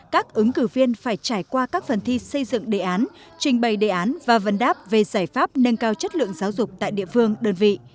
các ứng cử viên phải trải qua các phần thi xây dựng đề án trình bày đề án và vấn đáp về giải pháp nâng cao chất lượng giáo dục tại địa phương đơn vị